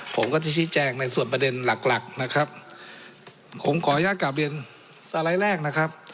ผมก็จะชี้แจงในส่วนประเด็นหลักหลักนะครับผมขออนุญาตกลับเรียนสไลด์แรกนะครับ